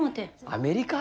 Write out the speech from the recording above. アメリカ？